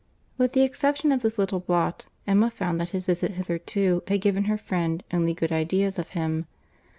With the exception of this little blot, Emma found that his visit hitherto had given her friend only good ideas of him.